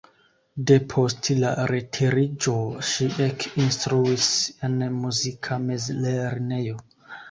Depost la retiriĝo ŝi ekinstruis en muzika mezlernejo.